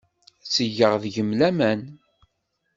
Ttgeɣ deg-m laman.